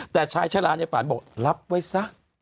แต่ชายชะลาในฝันบอกรับไว้ซะ